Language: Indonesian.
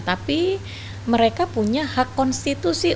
tapi mereka punya hak konstitusi